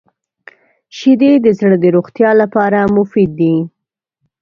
• شیدې د زړه د روغتیا لپاره مفید دي.